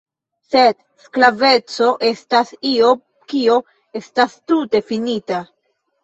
Sed (sklaveco) estas io kio estas tute finita.